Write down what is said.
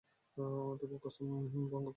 তবুও কসম ভঙ্গ করো না।